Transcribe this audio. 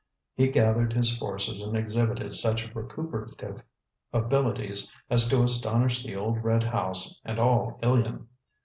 He gathered his forces and exhibited such recuperative abilities as to astonish the old red house and all Ilion.